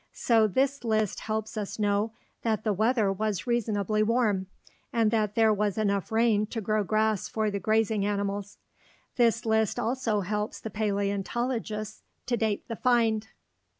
So this list helps us know that the weather was reasonably warm, and that there was enough rain to grow grass for the grazing animals. The list also helps the paleontologists to date the find.